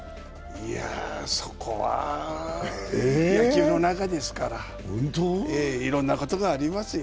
いやぁ、そこは野球の中ですからいろんなことがありますよ。